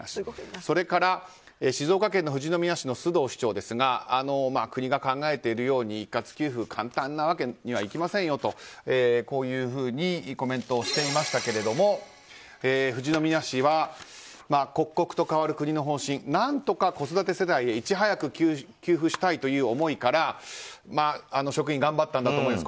それから静岡・富士宮市の須藤市長ですが国が考えているように一括給付は簡単なわけにはいきませんよとこういうふうにコメントしていましたけれども富士宮市は刻々と変わる国の方針何とか子育て世帯へいち早く給付したいという思いから職員が頑張ったんだと思います。